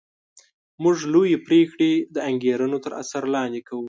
موږ لویې پرېکړې د انګېرنو تر اثر لاندې کوو